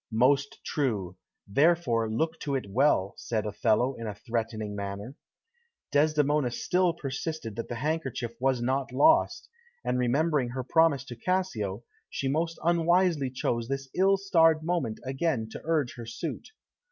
"Most true. Therefore look to it well," said Othello in a threatening manner. Desdemona still persisted that the handkerchief was not lost, and remembering her promise to Cassio, she most unwisely chose this ill starred moment again to urge her suit.